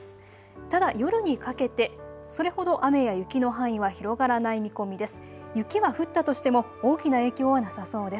ただ夜にかけてそれほど雨や雪の範囲は広がらない見込みです。